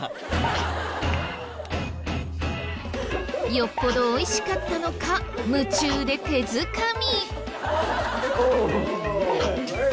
よっぽど美味しかったのか夢中で手づかみ。